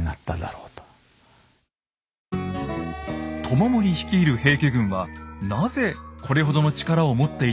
知盛率いる平家軍はなぜこれほどの力を持っていたのでしょうか？